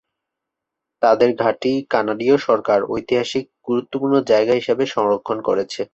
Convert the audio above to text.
তাদের ঘাঁটি কানাডীয় সরকার ঐতিহাসিক গুরুত্বপূর্ণ জায়গা হিসেবে সংরক্ষণ করেছে।